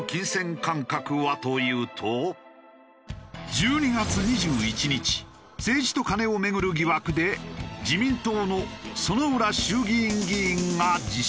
１２月２１日政治とカネを巡る疑惑で自民党の薗浦衆議院議員が辞職。